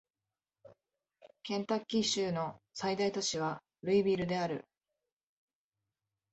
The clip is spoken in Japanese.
ケンタッキー州の最大都市はルイビルである